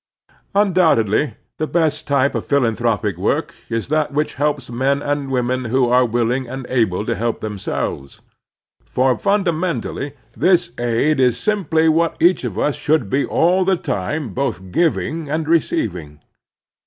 Undoubtedly the best type of philanthropic work is that which helps men and women who are willing and able to help themselves ; for ftmda mentally this aid is simply what each of us should be all the time both giving and receiving.